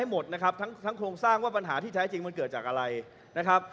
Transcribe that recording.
หมดนะครับทั้งโครงสร้างว่าปัญหาที่แท้จริงมันเกิดจากอะไรนะครับ